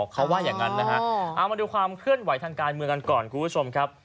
เขาว่าอย่างนั้นนะฮะเอามาดูความเคลื่อนไหวทางการเมืองกันก่อนคุณผู้ชมครับ